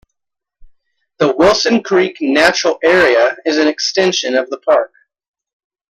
The "Wilson Creek Natural Area" is an extension of the park.